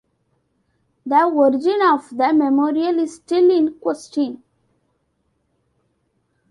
The origin of the Memorial is still in question.